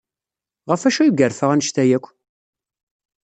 Ɣef wacu ay yerfa anect-a akk?